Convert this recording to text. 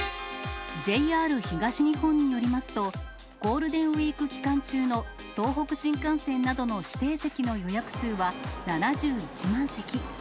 ＪＲ東日本によりますと、ゴールデンウィーク期間中の東北新幹線などの指定席の予約数は７１万席。